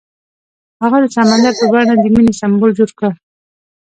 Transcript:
هغه د سمندر په بڼه د مینې سمبول جوړ کړ.